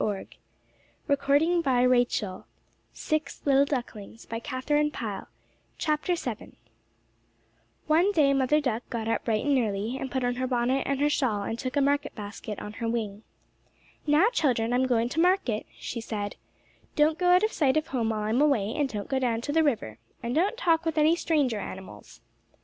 [Illustration: With a bound and a roar he was up and at the chicken] VII ONE day Mother Duck got up bright and early, and put on her bonnet and her shawl, and took a market basket on her wing. "Now, children, I'm going to market," she said. "Don't go out of sight of home while I'm away, and don't go down to the river, and don't talk with any stranger animals."